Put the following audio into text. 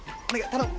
頼む！